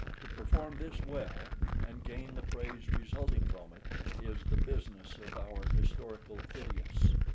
To perform this well, and gain the praise resulting from it, is the business of our historical Phidias.